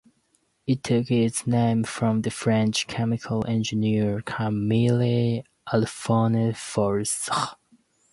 It took its name from the French chemical engineer Camille Alphonse Faure.